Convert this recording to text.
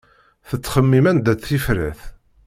Tettxemmim anda-tt tifrat.